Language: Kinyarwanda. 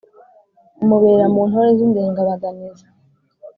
Mubera mu ntore z'indengabanizi